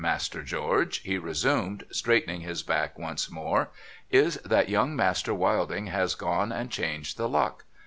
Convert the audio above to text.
Master George,' he resumed, straightening his back once more, ' is, that young Master Wilding has gone and changed the luck.